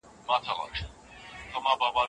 له سالمې روزنې پرته بریا نه په برخه کېږي.